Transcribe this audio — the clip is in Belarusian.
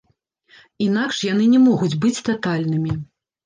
Інакш яны не могуць быць татальнымі.